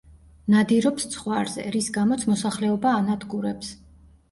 ნადირობს ცხვარზე, რის გამოც მოსახლეობა ანადგურებს.